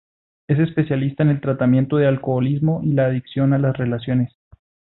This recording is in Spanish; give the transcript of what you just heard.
Es especialista en el tratamiento de alcoholismo y la adicción a las relaciones.